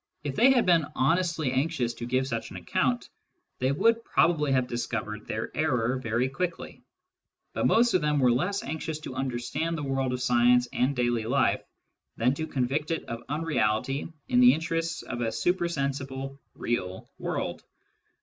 If they had been honestly anxious to give such an account, they would probably have discovered their error very quickly ; but most of them were less anxious to understand the world of science and daily life, than to convict it of unreality in the interests of a super sensible "real" world.